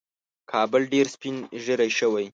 کابل ډېر سپین ږیری شوی